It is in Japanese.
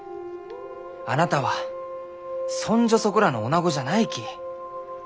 あなたはそんじょそこらのおなごじゃないき。